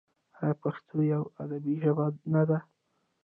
آیا پښتو یوه ادبي ژبه نه ده؟